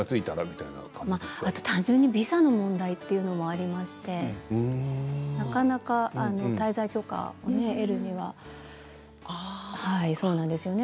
あと単純にビザの問題というのはありましてなかなか滞在許可を得るにはね。